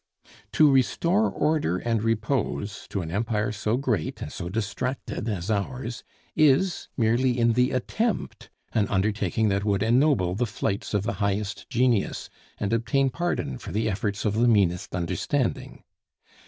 To restore order and repose to an empire so great and so distracted as ours, is, merely in the attempt, an undertaking that would ennoble the flights of the highest genius and obtain pardon for the efforts of the meanest understanding.